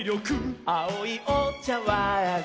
「あおいおちゃわん」